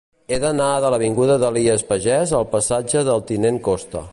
He d'anar de l'avinguda d'Elies Pagès al passatge del Tinent Costa.